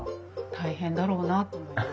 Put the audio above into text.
大変だろうなと思います。